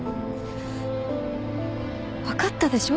わかったでしょ？